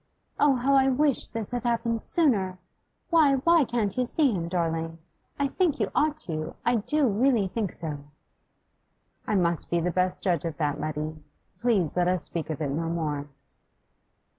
Oh, how I wish this had happened sooner! Why, why can't you see him, darling? I think you ought to; I do really think so.' 'I must be the best judge of that, Letty. Please let us speak of it no more.